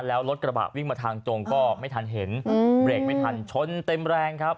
แล้วรถกระบะวิ่งมาทางตรงก็ไม่ทันเห็นเบรกไม่ทันชนเต็มแรงครับ